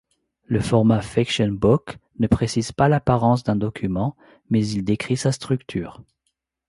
Le format FictionBook ne précise pas l'apparence d'un document, mais il décrit sa structure.